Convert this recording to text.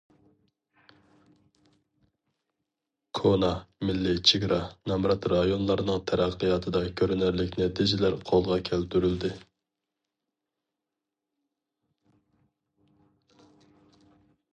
كونا، مىللىي، چېگرا، نامرات رايونلارنىڭ تەرەققىياتىدا كۆرۈنەرلىك نەتىجىلەر قولغا كەلتۈرۈلدى.